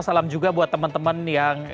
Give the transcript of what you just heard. salam juga buat teman teman yang